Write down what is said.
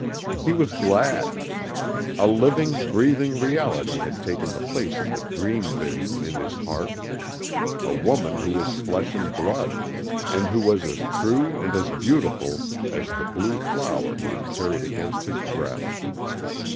He was glad. A living, breathing reality had taken the place of the dream vision in his heart, a woman who was flesh and blood, and who was as true and as beautiful as the blue flower he had carried against his breast.